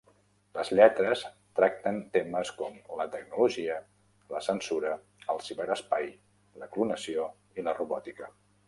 Les lletres tracten temes com la tecnologia, la censura, el ciberespai, la clonació i la robòtica.